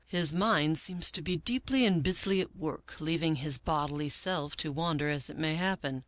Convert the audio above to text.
His mind seems to be deeply and busily at work, leaving his bodily self to wan der as it may happen.